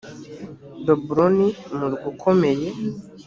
babuloni murwa ukomeye